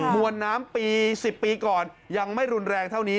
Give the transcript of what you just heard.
มวลน้ำปี๑๐ปีก่อนยังไม่รุนแรงเท่านี้